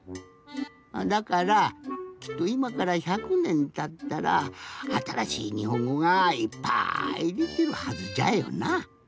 だからきっといまから１００ねんたったらあたらしいにほんごがいっぱいできるはずじゃよな。